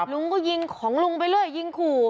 ลุงก็ยิงของลุงไปเรื่อยยิงขู่